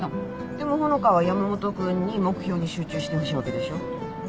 でも穂香は山本君に目標に集中してほしいわけでしょ？